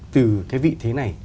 từ cái vị thế này